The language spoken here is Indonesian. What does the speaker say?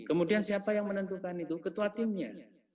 kemudian siapa yang menentukan itu ketua timnya